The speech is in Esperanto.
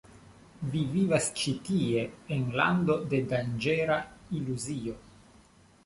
Vi vivas ĉi tie en lando de danĝera iluzio.